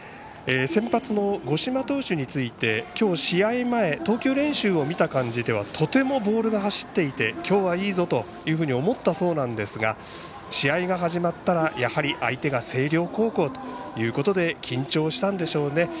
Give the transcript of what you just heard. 先発の五島投手についてきょう、試合前投球練習を見た感じではとてもボールが走っていてきょうはいいぞというふうに思ったそうなんですが試合が始まったら、やはり相手が星稜高校ということで緊張したんでしょうね。